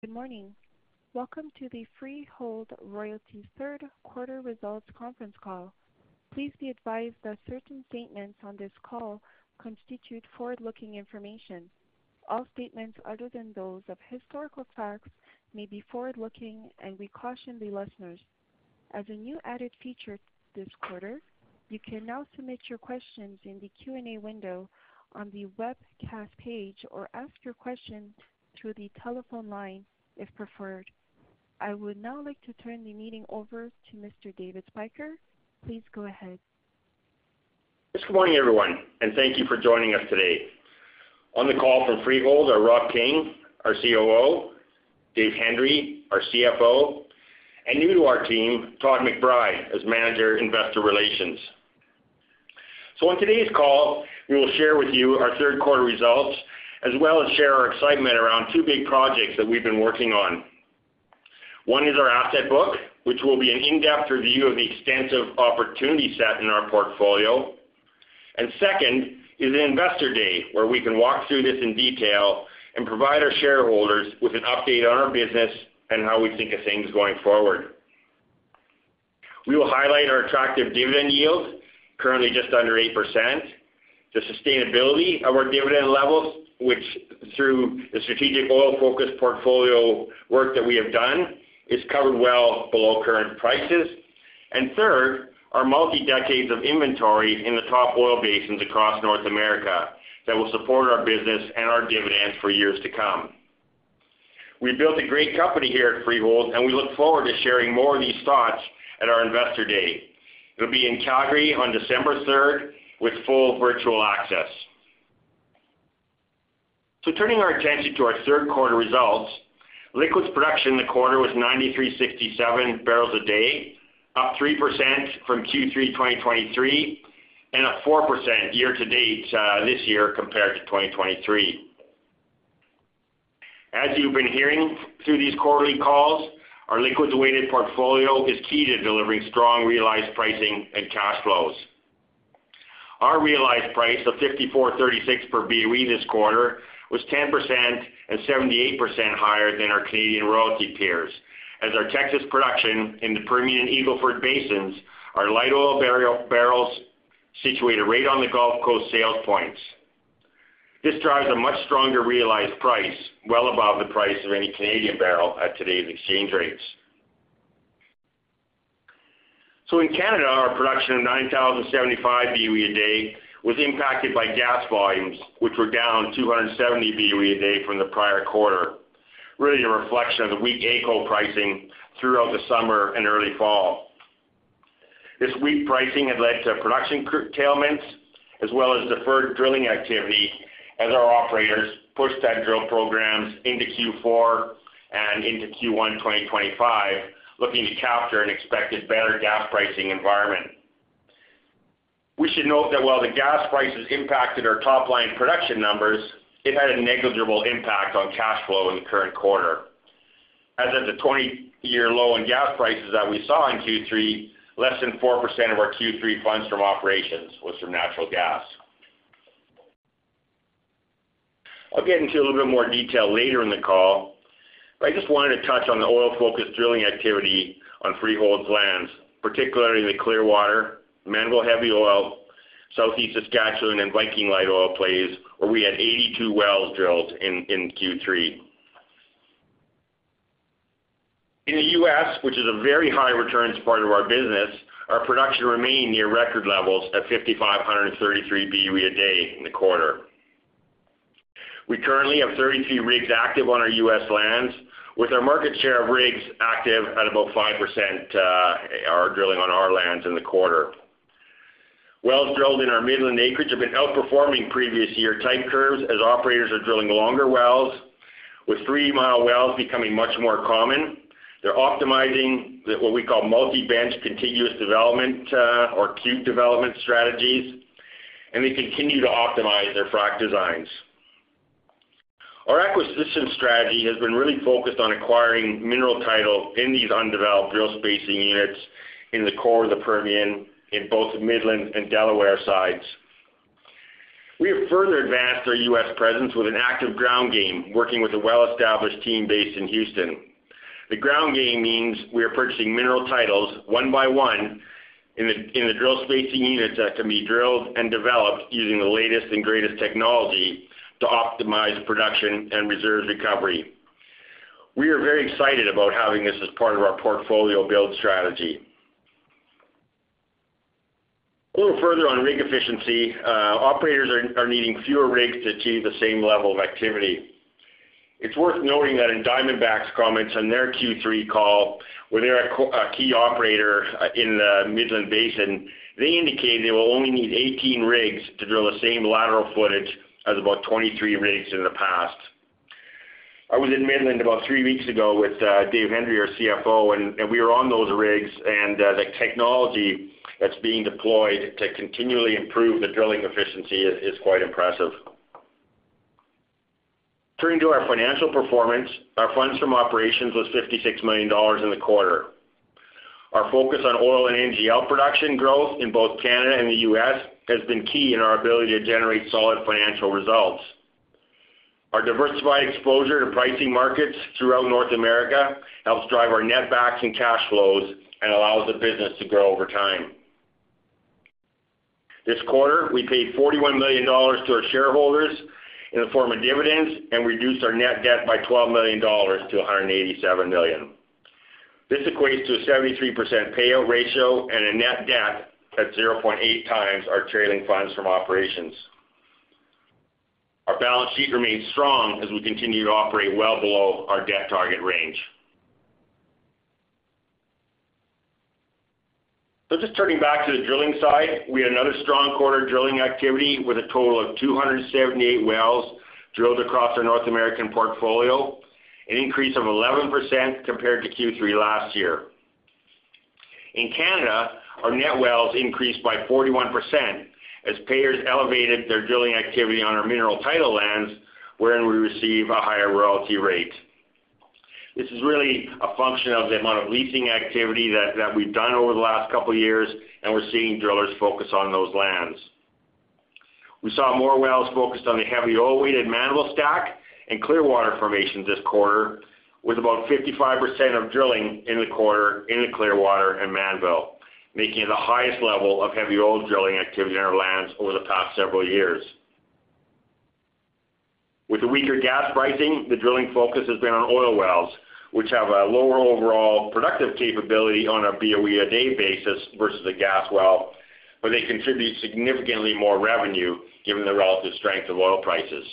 Good morning. Welcome to the Freehold Royalties third quarter results conference call. Please be advised that certain statements on this call constitute forward-looking information. All statements other than those of historical facts may be forward-looking, and we caution the listeners. As a new added feature this quarter, you can now submit your questions in the Q&A window on the webcast page or ask your questions through the telephone line if preferred. I would now like to turn the meeting over to Mr. David Spyker. Please go ahead. Good morning, everyone, and thank you for joining us today. On the call from Freehold are Rob King, our COO, Dave Hendry, our CFO, and new to our team, Todd McBride as Manager, Investor Relations, so on today's call, we will share with you our third quarter results as well as share our excitement around two big projects that we've been working on. One is our asset book, which will be an in-depth review of the extensive opportunity set in our portfolio, and second is an Investor Day where we can walk through this in detail and provide our shareholders with an update on our business and how we think of things going forward. We will highlight our attractive dividend yield, currently just under 8%. The sustainability of our dividend levels, which through the strategic oil-focused portfolio work that we have done is covered well below current prices. Third, our multi-decades of inventory in the top oil basins across North America that will support our business and our dividends for years to come. We've built a great company here at Freehold, and we look forward to sharing more of these thoughts at our Investor Day. It'll be in Calgary on December 3rd with full virtual access. Turning our attention to our third quarter results, liquids production in the quarter was 9,367 barrels a day, up 3% from Q3 2023 and a 4% year-to-date this year compared to 2023. As you've been hearing through these quarterly calls, our liquids-weighted portfolio is key to delivering strong realized pricing and cash flows. Our realized price of 5,436 per BOE this quarter was 10% and 78% higher than our Canadian royalty peers as our Texas production in the Permian-Eagle Ford basins, our light oil barrels situated right on the Gulf Coast sales points. This drives a much stronger realized price, well above the price of any Canadian barrel at today's exchange rates, so in Canada, our production of 9,075 BOE a day was impacted by gas volumes, which were down 270 BOE a day from the prior quarter, really a reflection of the weak AECO pricing throughout the summer and early fall. This weak pricing had led to production curtailments as well as deferred drilling activity as our operators pushed that drill programs into Q4 and into Q1 2025, looking to capture an expected better gas pricing environment. We should note that while the gas prices impacted our top-line production numbers, it had a negligible impact on cash flow in the current quarter. As of the 20-year low in gas prices that we saw in Q3, less than 4% of our Q3 funds from operations was from natural gas. I'll get into a little bit more detail later in the call, but I just wanted to touch on the oil-focused drilling activity on Freehold's lands, particularly the Clearwater, Mannville Heavy Oil, Southeast Saskatchewan, and Viking Light Oil plays, where we had 82 wells drilled in Q3. In the U.S., which is a very high returns part of our business, our production remained near record levels at 5,533 BOE a day in the quarter. We currently have 33 rigs active on our U.S. lands, with our market share of rigs active at about 5% are drilling on our lands in the quarter. Wells drilled in our Midland acreage have been outperforming previous year type curves as operators are drilling longer wells, with three-mile wells becoming much more common. They're optimizing what we call multi-bench continuous development or Cube development strategies, and they continue to optimize their frac designs. Our acquisition strategy has been really focused on acquiring mineral title in these undeveloped drill spacing units in the core of the Permian in both Midland and Delaware sides. We have further advanced our U.S. presence with an active ground game, working with a well-established team based in Houston. The ground game means we are purchasing mineral titles one by one in the drill spacing units that can be drilled and developed using the latest and greatest technology to optimize production and reserves recovery. We are very excited about having this as part of our portfolio build strategy. A little further on rig efficiency, operators are needing fewer rigs to achieve the same level of activity. It's worth noting that in Diamondback's comments on their Q3 call, where they're a key operator in the Midland Basin, they indicate they will only need 18 rigs to drill the same lateral footage as about 23 rigs in the past. I was in Midland about three weeks ago with Dave Hendry, our CFO, and we were on those rigs, and the technology that's being deployed to continually improve the drilling efficiency is quite impressive. Turning to our financial performance, our funds from operations was 56 million dollars in the quarter. Our focus on oil and NGL production growth in both Canada and the U.S. has been key in our ability to generate solid financial results. Our diversified exposure to pricing markets throughout North America helps drive our netback and cash flows and allows the business to grow over time. This quarter, we paid 41 million dollars to our shareholders in the form of dividends and reduced our net debt by 12 million dollars to 187 million. This equates to a 73% payout ratio and a net debt at 0.8 times our trailing funds from operations. Our balance sheet remains strong as we continue to operate well below our debt target range. Just turning back to the drilling side, we had another strong quarter drilling activity with a total of 278 wells drilled across our North American portfolio, an increase of 11% compared to Q3 last year. In Canada, our net wells increased by 41% as players elevated their drilling activity on our mineral title lands, wherein we receive a higher royalty rate. This is really a function of the amount of leasing activity that we've done over the last couple of years, and we're seeing drillers focus on those lands. We saw more wells focused on the heavy oil-weighted Mannville stack and Clearwater formations this quarter, with about 55% of drilling in the quarter in the Clearwater and Mannville, making it the highest level of heavy oil drilling activity on our lands over the past several years. With the weaker gas pricing, the drilling focus has been on oil wells, which have a lower overall productive capability on a BOE a day basis versus a gas well, but they contribute significantly more revenue given the relative strength of oil prices.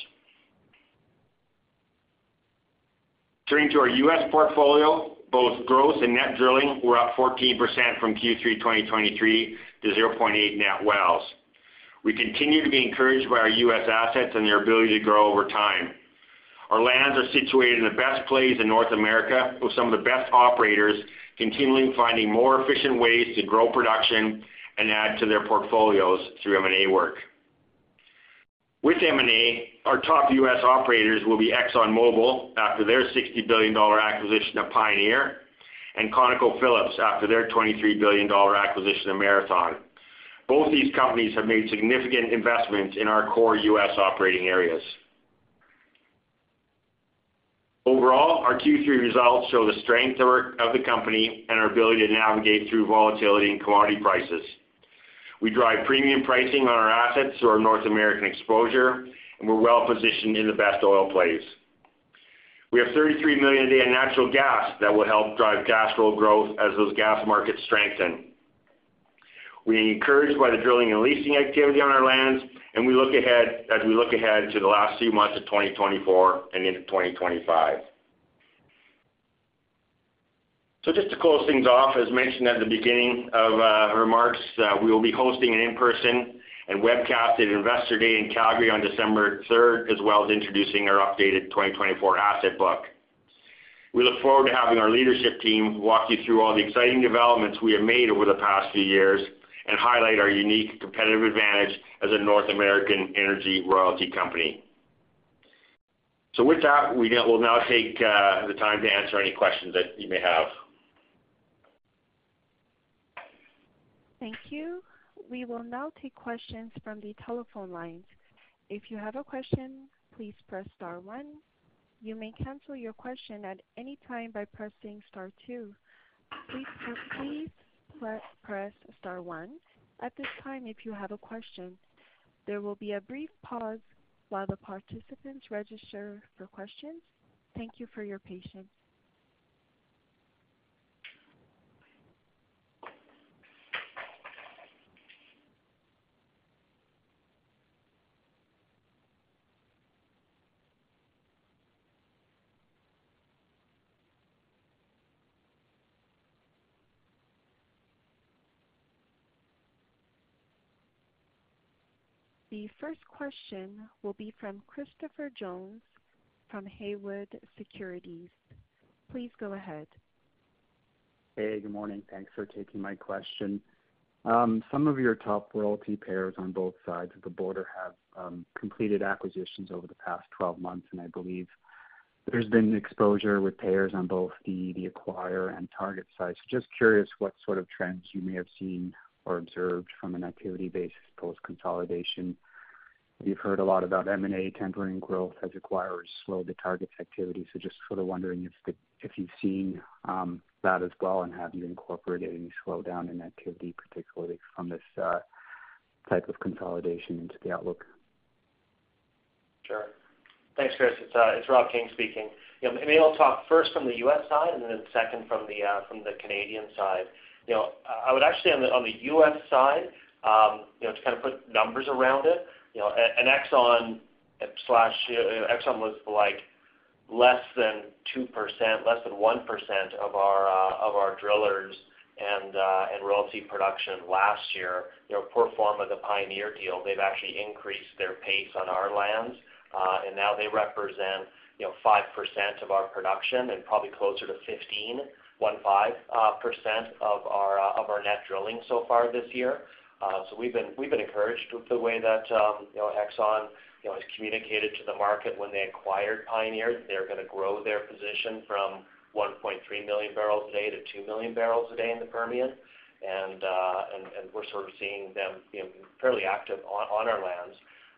Turning to our U.S. portfolio, both gross and net drilling were up 14% from Q3 2023 to 0.8 net wells. We continue to be encouraged by our U.S. assets and their ability to grow over time. Our lands are situated in the best place in North America, with some of the best operators continually finding more efficient ways to grow production and add to their portfolios through M&A work. With M&A, our top U.S. operators will be ExxonMobil after their $60 billion acquisition of Pioneer and ConocoPhillips after their $23 billion acquisition of Marathon. Both these companies have made significant investments in our core U.S. operating areas. Overall, our Q3 results show the strength of the company and our ability to navigate through volatility and commodity prices. We drive premium pricing on our assets through our North American exposure, and we're well positioned in the best oil plays. We have $33 million a day in natural gas that will help drive cash flow growth as those gas markets strengthen. We are encouraged by the drilling and leasing activity on our lands, and we look ahead to the last few months of 2024 and into 2025. Just to close things off, as mentioned at the beginning of our remarks, we will be hosting an in-person and webcasted Investor Day in Calgary on December 3rd, as well as introducing our updated 2024 asset book. We look forward to having our leadership team walk you through all the exciting developments we have made over the past few years and highlight our unique competitive advantage as a North American energy royalty company. So with that, we will now take the time to answer any questions that you may have. Thank you. We will now take questions from the telephone lines. If you have a question, please press star one. You may cancel your question at any time by pressing star two. Please press star one. At this time, if you have a question, there will be a brief pause while the participants register for questions. Thank you for your patience. The first question will be from Christopher Jones from Haywood Securities. Please go ahead. Hey, good morning. Thanks for taking my question. Some of your top royalty payers on both sides of the border have completed acquisitions over the past 12 months, and I believe there's been exposure with payers on both the acquirer and target side. So just curious what sort of trends you may have seen or observed from an activity basis post-consolidation. You've heard a lot about M&A tempering growth as acquirers slowed the target activity. So just sort of wondering if you've seen that as well and have you incorporated any slowdown in activity, particularly from this type of consolidation into the outlook. Sure. Thanks, Chris. It's Rob King speaking. Maybe I'll talk first from the U.S. side and then second from the Canadian side. I would actually, on the U.S. side, to kind of put numbers around it, and ExxonMobil was less than 2%, less than 1% of our drilling and royalty production last year. Following the Pioneer deal, they've actually increased their pace on our lands, and now they represent 5% of our production and probably closer to 15, 15% of our net drilling so far this year. So we've been encouraged with the way that ExxonMobil has communicated to the market when they acquired Pioneer. They're going to grow their position from 1.3 million barrels a day to two million barrels a day in the Permian, and we're sort of seeing them fairly active on our lands.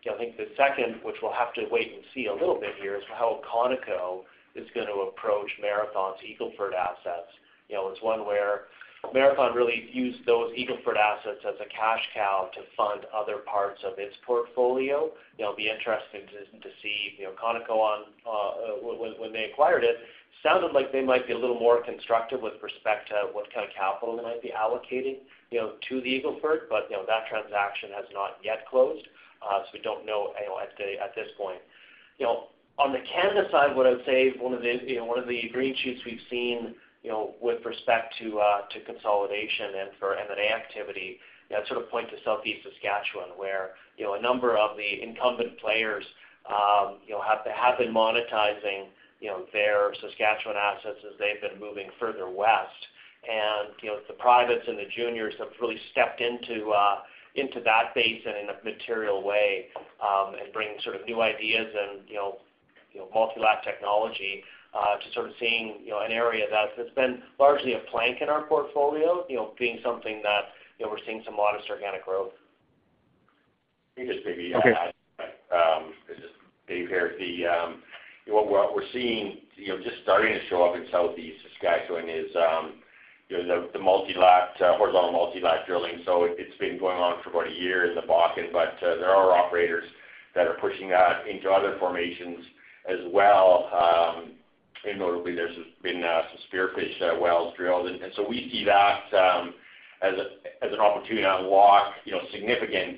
I think the second, which we'll have to wait and see a little bit here, is how ConocoPhillips is going to approach Marathon's Eagle Ford assets. It's one where Marathon really used those Eagle Ford assets as a cash cow to fund other parts of its portfolio. It'll be interesting to see ConocoPhillips when they acquired it. Sounded like they might be a little more constructive with respect to what kind of capital they might be allocating to the Eagle Ford, but that transaction has not yet closed, so we don't know at this point. On the Canada side, what I would say, one of the green shoots we've seen with respect to consolidation and for M&A activity, sort of point to Southeast Saskatchewan, where a number of the incumbent players have been monetizing their Saskatchewan assets as they've been moving further west. The privates and the juniors have really stepped into that basin in a material way and bringing sort of new ideas and multilateral technology to sort of seeing an area that has been largely a blank in our portfolio, being something that we're seeing some modest organic growth. I think it's maybe Dave here. What we're seeing just starting to show up in Southeast Saskatchewan is the horizontal multilateral drilling. So it's been going on for about a year in the Bakken, but there are operators that are pushing that into other formations as well. Notably, there's been some Spearfish wells drilled. And so we see that as an opportunity to unlock significant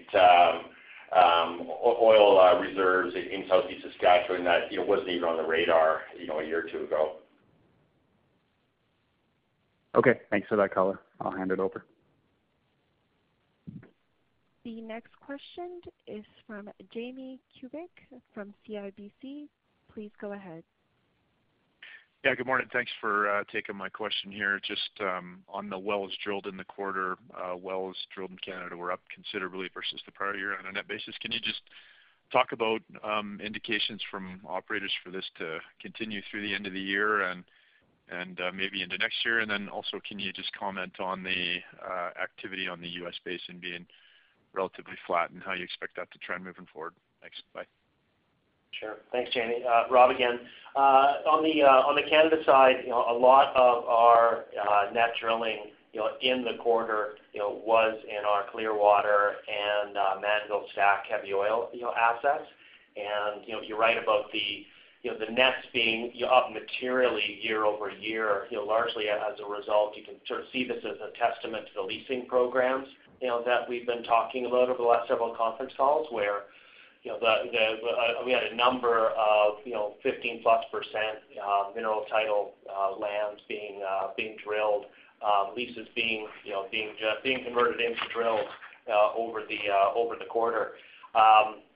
oil reserves in Southeast Saskatchewan that wasn't even on the radar a year or two ago. Okay. Thanks for that color. I'll hand it over. The next question is from Jamie Kubik from CIBC. Please go ahead. Yeah, good morning. Thanks for taking my question here. Just on the wells drilled in the quarter, wells drilled in Canada were up considerably versus the prior year on a net basis. Can you just talk about indications from operators for this to continue through the end of the year and maybe into next year? And then also, can you just comment on the activity on the U.S. base and being relatively flat and how you expect that to trend moving forward? Thanks. Bye. Sure. Thanks, Jamie. Rob, again, on the Canada side, a lot of our net drilling in the quarter was in our Clearwater and Mannville stack heavy oil assets, and you're right about the nets being up materially year over year, largely as a result. You can sort of see this as a testament to the leasing programs that we've been talking about over the last several conference calls, where we had a number of 15%+ mineral title lands being drilled, leases being converted into drills over the quarter.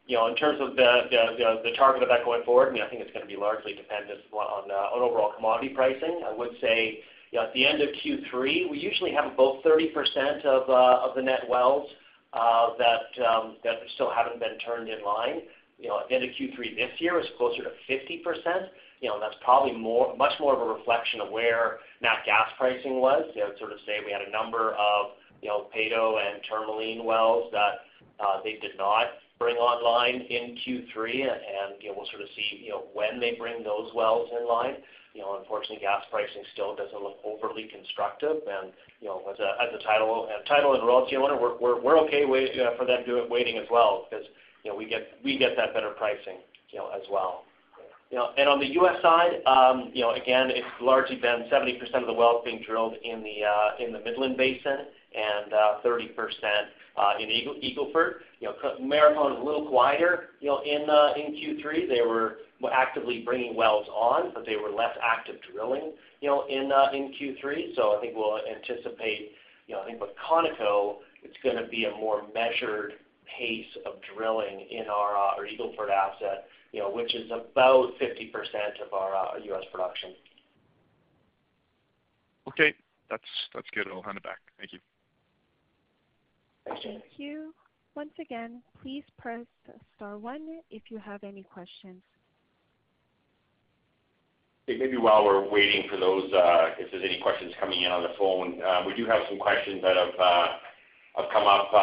In terms of the target of that going forward, I mean, I think it's going to be largely dependent on overall commodity pricing. I would say at the end of Q3, we usually have about 30% of the net wells that still haven't been turned in line. At the end of Q3 this year, it was closer to 50%. That's probably much more of a reflection of where net gas pricing was. I'd sort of say we had a number of Peyto and Tourmaline wells that they did not bring online in Q3, and we'll sort of see when they bring those wells online. Unfortunately, gas pricing still doesn't look overly constructive, and as a title and royalty owner, we're okay for them doing waiting as well because we get that better pricing as well. And on the U.S. side, again, it's largely been 70% of the wells being drilled in the Midland Basin and 30% in Eagle Ford. Marathon is a little quieter in Q3. They were actively bringing wells on, but they were less active drilling in Q3. So I think we'll anticipate, I think with ConocoPhillips, it's going to be a more measured pace of drilling in our Eagle Ford asset, which is about 50% of our U.S. production. Okay. That's good. I'll hand it back. Thank you. Thanks, Jamie. Thank you. Once again, please press star one if you have any questions. Okay. Maybe while we're waiting for those, if there's any questions coming in on the phone, we do have some questions that have come up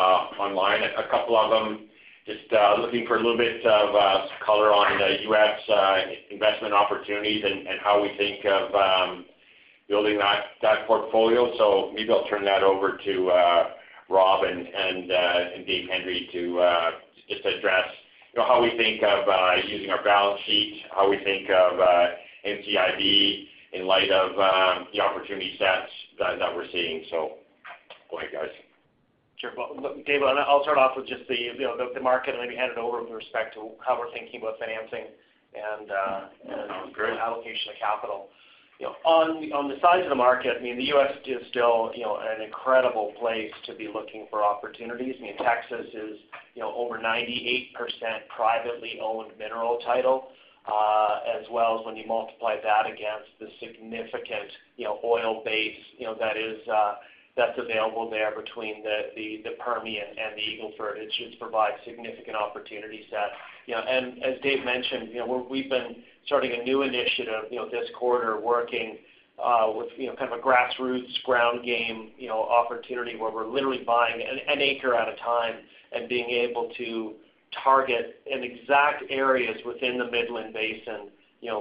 online, a couple of them. Just looking for a little bit of color on the U.S. investment opportunities and how we think of building that portfolio. So maybe I'll turn that over to Rob and Dave Hendry to just address how we think of using our balance sheet, how we think of NCIB in light of the opportunity sets that we're seeing. So go ahead, guys. Sure. Well, David, I'll start off with just the market and maybe hand it over with respect to how we're thinking about financing and allocation of capital. On the size of the market, I mean, the U.S. is still an incredible place to be looking for opportunities. I mean, Texas is over 98% privately owned mineral title, as well as when you multiply that against the significant oil base that's available there between the Permian and the Eagle Ford, it should provide significant opportunities that. And as Dave mentioned, we've been starting a new initiative this quarter working with kind of a grassroots ground game opportunity where we're literally buying an acre at a time and being able to target in exact areas within the Midland Basin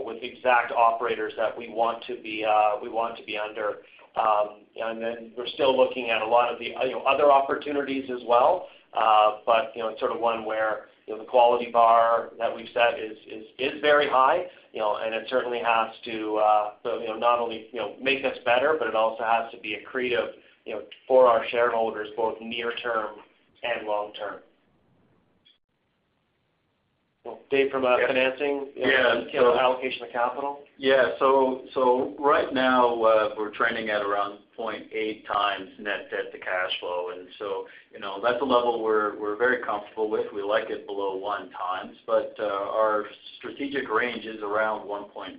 with exact operators that we want to be under. Then we're still looking at a lot of the other opportunities as well, but it's sort of one where the quality bar that we've set is very high, and it certainly has to not only make us better, but it also has to be accretive for our shareholders, both near-term and long-term. Well, Dave, from financing and allocation of capital? Yeah. So right now, we're trending at around 0.8 times net debt to cash flow. And so that's a level we're very comfortable with. We like it below one times, but our strategic range is around 1.5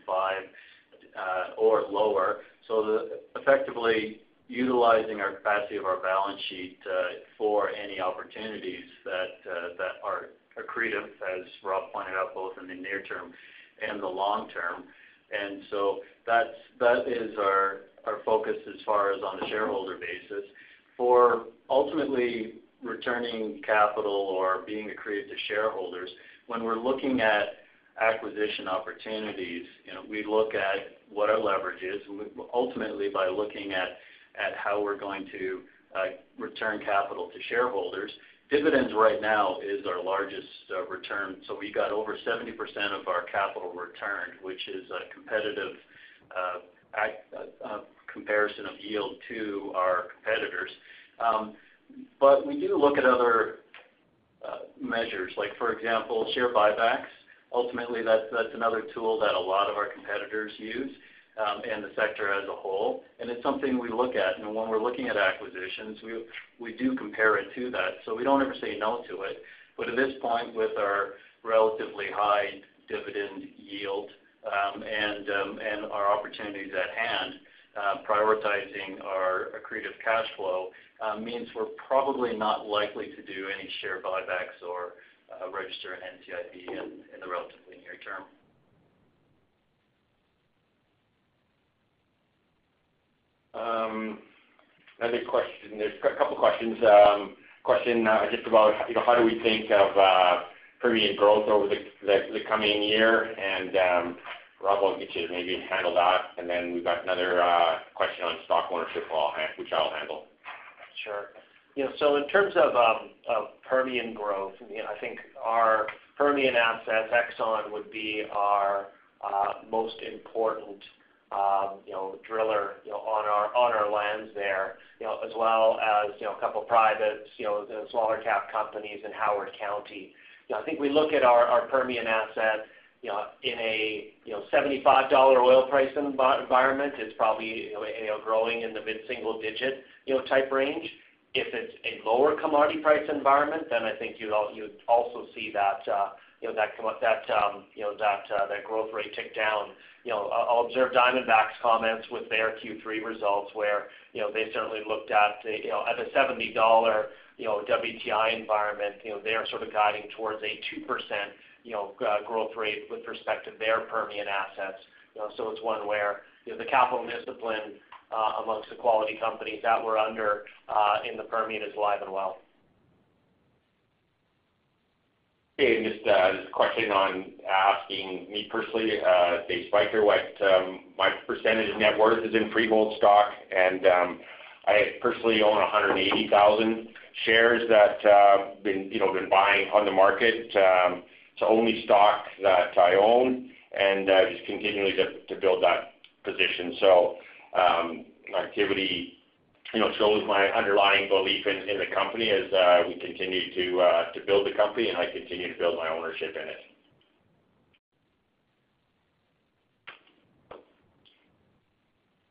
or lower. So effectively utilizing our capacity of our balance sheet for any opportunities that are accretive, as Rob pointed out, both in the near term and the long term. And so that is our focus as far as on the shareholder basis. For ultimately returning capital or being accretive to shareholders, when we're looking at acquisition opportunities, we look at what our leverage is. Ultimately, by looking at how we're going to return capital to shareholders, dividends right now is our largest return. So we got over 70% of our capital returned, which is a competitive comparison of yield to our competitors. But we do look at other measures, like for example, share buybacks. Ultimately, that's another tool that a lot of our competitors use and the sector as a whole. And it's something we look at. And when we're looking at acquisitions, we do compare it to that. So we don't ever say no to it. But at this point, with our relatively high dividend yield and our opportunities at hand, prioritizing our accretive cash flow means we're probably not likely to do any share buybacks or register an NCIB in the relatively near term. Another question. There's a couple of questions. Question just about how do we think of Permian growth over the coming year? And Rob will get you to maybe handle that. And then we've got another question on stock ownership, which I'll handle. Sure, so in terms of Permian growth, I think our Permian assets, ExxonMobil would be our most important driller on our lands there, as well as a couple of privates, smaller cap companies in Howard County. I think we look at our Permian asset in a $75 oil price environment. It's probably growing in the mid-single-digit type range. If it's a lower commodity price environment, then I think you'd also see that that growth rate tick down. I'll observe Diamondback's comments with their Q3 results, where they certainly looked at a $70 WTI environment. They are sort of guiding towards a 2% growth rate with respect to their Permian assets, so it's one where the capital discipline amongst the quality companies that we're under in the Permian is alive and well. Dave, just a question on asking me personally, David Spyker, what my percentage of net worth is in Freehold stock, and I personally own 180,000 shares that I've been buying on the market. It's the only stock that I own, and just continuing to build that position, so my activity shows my underlying belief in the company as we continue to build the company, and I continue to build my ownership in it.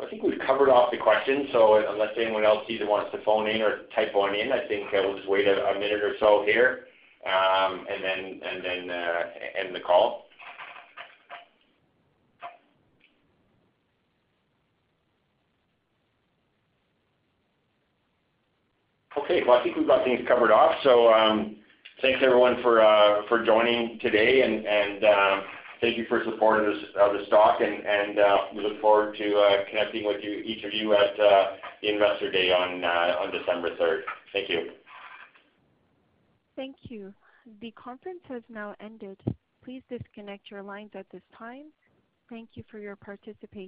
I think we've covered off the questions, so unless anyone else either wants to phone in or type one in, I think we'll just wait a minute or so here and then end the call. Okay. Well, I think we've got things covered off, so thanks, everyone, for joining today, and thank you for supporting the stock, and we look forward to connecting with each of you at the Investor Day on December 3rd. Thank you. Thank you. The conference has now ended. Please disconnect your lines at this time. Thank you for your participation.